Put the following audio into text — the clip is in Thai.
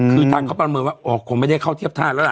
คือทางเขาประเมินว่าอ๋อคงไม่ได้เข้าเทียบท่าแล้วล่ะ